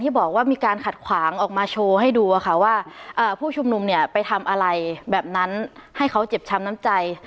บอกว่ามีการขัดขวางออกมาโชว์ให้ดูว่าผู้ชุมนุมเนี่ยไปทำอะไรแบบนั้นให้เขาเจ็บช้ำน้ำใจ